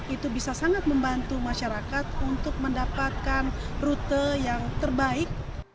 itu bisa sangat membantu masyarakat untuk mendapatkan rute yang terbaik